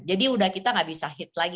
jadi udah kita nggak bisa hit lagi